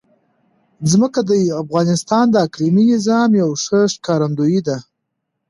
ځمکه د افغانستان د اقلیمي نظام یوه ښه ښکارندوی ده.